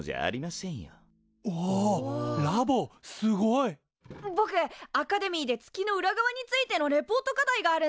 すごい！ぼくアカデミーで月の裏側についてのレポート課題があるんだ。